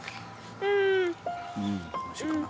おいしいかな？